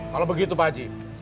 kalau begitu pak haji